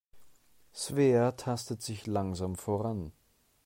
Svea tastet sich langsam voran.